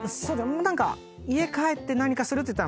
家帰って何かするっていったら。